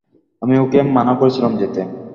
আমি ওকে মানা করেছিলাম যেতে।